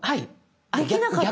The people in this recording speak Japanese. できなかったの。